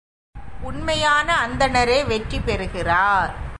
உண்மையான அந்தணரே வெற்றி பெறுகிறார்.